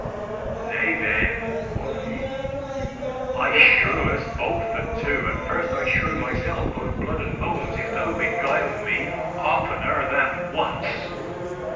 "Nay then," quoth he, "I shrew* us both the two, *curse And first I shrew myself, both blood and bones, If thou beguile me oftener than once.